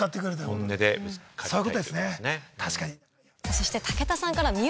そして。